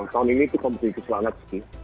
tahun ini kompetitif sangat